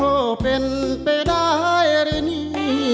ก็เป็นไปได้หรือนี่